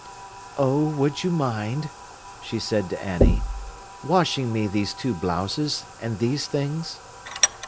"Oh, would you mind," she said to Annie, "washing me these two blouses, and these things?"